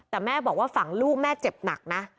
แต่แม่บอกว่าฝั่งลูกแม่เจ็บหนักนะ